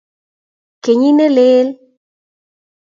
kenyit nelel